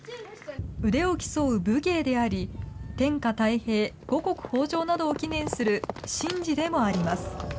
腕を競う武芸であり、天下泰平、五穀豊じょうなどを祈念する神事でもあります。